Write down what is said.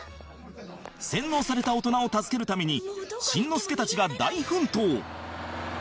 洗脳された大人を助けるためにしんのすけたちが大奮闘！